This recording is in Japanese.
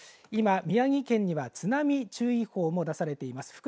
今、宮城県には津波注意報が出されています。